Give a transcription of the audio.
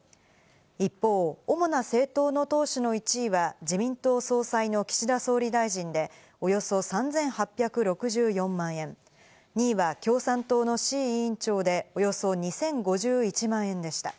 一方、主な政党の党首の１位は自民党総裁の岸田総理大臣で、およそ３８６４万円、２位は共産党の志位委員長でおよそ２０５１万円でした。